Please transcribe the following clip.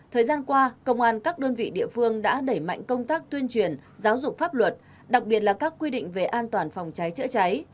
thời gian qua công an các đơn vị địa phương đã đẩy mạnh công tác tuyên truyền giáo dục pháp luật đặc biệt là các quy định về an toàn phòng cháy chữa cháy